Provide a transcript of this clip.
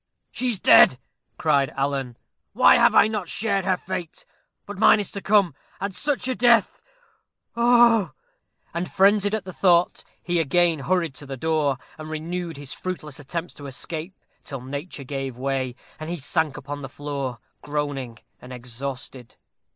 "She is dead!" cried Alan. "Why have I not shared her fate? But mine is to come. And such a death! oh, oh!" And, frenzied at the thought, he again hurried to the door, and renewed his fruitless attempts to escape, till nature gave way, and he sank upon the floor, groaning and exhausted.